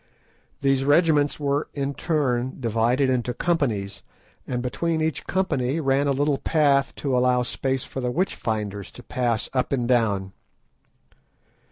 These regiments were in turn divided into companies, and between each company ran a little path to allow space for the witch finders to pass up and down.